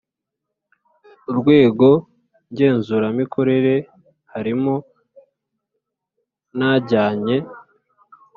n Urwego ngenzuramikorere harimo n ajyanye